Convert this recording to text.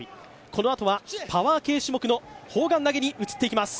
このあとはパワー系種目の砲丸投に移っていきます。